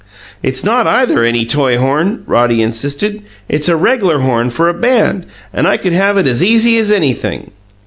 "It's not either any toy horn," Roddy insisted. "It's a reg'lar horn for a band, and I could have it as easy as anything."